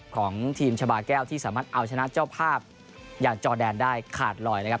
ของทีมชาบาแก้วที่สามารถเอาชนะเจ้าภาพอย่างจอแดนได้ขาดลอยนะครับ